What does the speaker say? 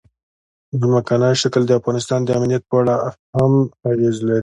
ځمکنی شکل د افغانستان د امنیت په اړه هم اغېز لري.